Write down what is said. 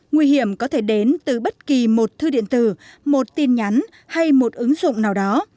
nguy hiểm có thể đến từ bất kỳ một thư điện tử một tin nhắn hay một ứng dụng nào đó